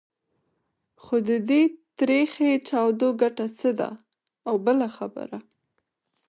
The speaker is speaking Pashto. خو د دې تریخې چاودو ګټه څه ده؟ او بله خبره.